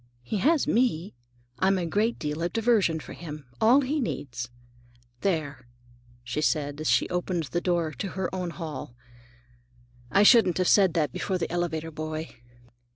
"He has me. I'm a great deal of diversion for him; all he needs. There," she said as she opened the door into her own hall, "I shouldn't have said that before the elevator boy."